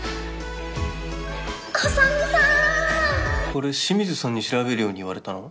これ清水さんに調べるように言われたの？